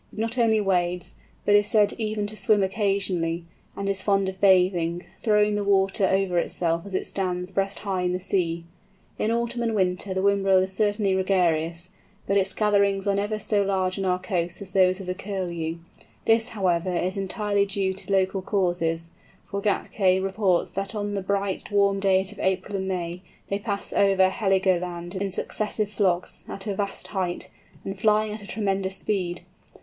It not only wades, but is said even to swim occasionally, and is fond of bathing, throwing the water over itself as it stands breast high in the sea. In autumn and winter the Whimbrel is certainly gregarious, but its gatherings are never so large on our coasts as those of the Curlew. This, however, is entirely due to local causes, for Gätke reports that on the bright warm days of April and May they pass over Heligoland in successive flocks, at a vast height, and flying at a tremendous speed.